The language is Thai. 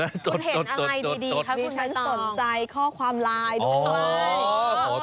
คุณเห็นอะไรดีครับคุณชัยต่องมีฉันสนใจข้อความไลน์ดูดูไว้